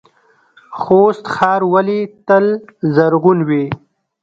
خوست ښار ولې تل زرغون وي؟